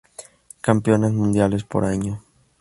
Campeonas mundiales por año.